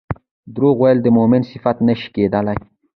دروغ ويل د مؤمن صفت نه شي کيدلی